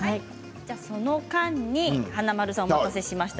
その間に、華丸さんお待たせしました。